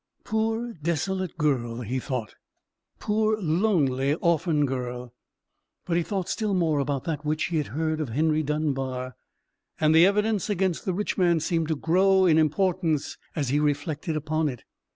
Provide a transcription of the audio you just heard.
"Poor, desolate girl," he thought, "poor, lonely, orphan girl!" But he thought still more about that which he had heard of Henry Dunbar; and the evidence against the rich man seemed to grow in importance as he reflected upon it.